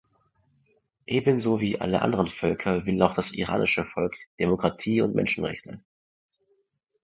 Ebenso wie alle anderen Völker will auch das iranische Volk Demokratie und Menschenrechte.